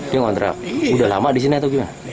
dia ngontrak udah lama di sini atau gimana